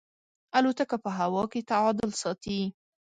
الوتکه په هوا کې تعادل ساتي.